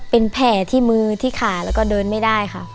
เป็นแผลที่มือที่ขาแล้วก็เดินไม่ได้ค่ะ